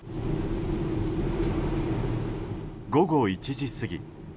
午後１時過ぎ。